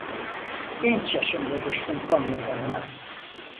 Genç yaşımda düştüm Konya damına.